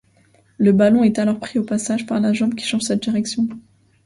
Le ballon est alors pris au passage par la jambe qui change sa direction.